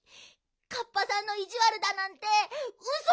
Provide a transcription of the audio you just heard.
カッパさんのいじわるだなんてウソなの。